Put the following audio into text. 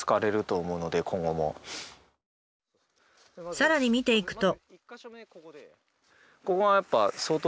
さらに見ていくと。